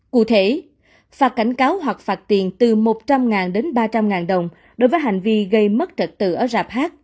cụ thể phạt cảnh cáo hoặc phạt tiền từ một trăm linh đến ba trăm linh đồng đối với hành vi gây mất trật tự ở rạp hát